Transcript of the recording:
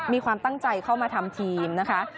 มีความตั้งใจเข้ามาทำทีมนะคะ